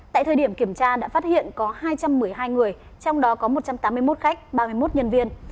tại thời điểm kiểm tra đã phát hiện có hai trăm một mươi hai người trong đó có một trăm tám mươi một khách ba mươi một nhân viên